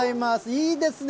いいですね。